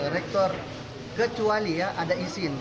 rektor kecuali ya ada izin